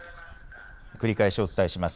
繰り返しお伝えします。